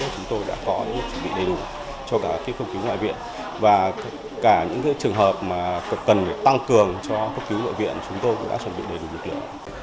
chúng tôi đã có chuẩn bị đầy đủ cho cả những kiếp cấp cứu ngoại viện và cả những trường hợp cần tăng cường cho cấp cứu ngoại viện chúng tôi cũng đã chuẩn bị đầy đủ